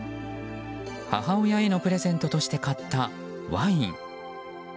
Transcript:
母親へのプレゼントとして買ったワイン。